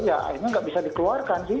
ya akhirnya nggak bisa dikeluarkan sih